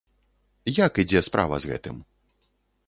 Як ідзе справа з гэтым?